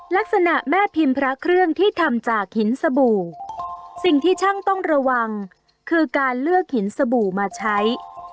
ลักษณะแม่พิมพ์พระเครื่องที่ทำจากหินสบู่สิ่งที่ช่างต้องระวังคือการเลือกหินสบู่มาใช้